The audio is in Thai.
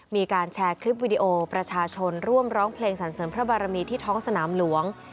มีการแชร์คลิปวิดีโอประชาชนร่วมร้องเพลงสรรเสริมพระบารมีที่ท้องสนามหลวง